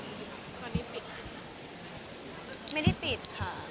ตอนนี้ปิดไหม